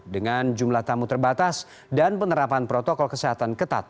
dengan jumlah tamu terbatas dan penerapan protokol kesehatan ketat